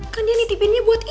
kan dia nitipinnya buat ibu